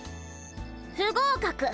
不合格！